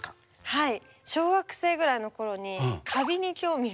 はい。